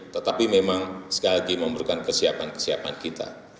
tetapi memang sekali lagi memerlukan kesiapan kesiapan kita